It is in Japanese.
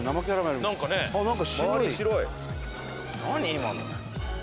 今の。